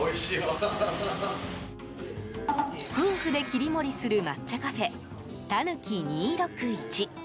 夫婦で切り盛りする抹茶カフェタヌキ２６１。